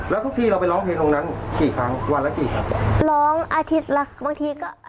ร้องอาทิตย์และบางทีก็